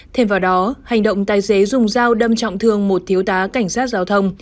thêm vào đó hành động tài xế dùng dao đâm trọng thương một thiếu tá cảnh sát giao thông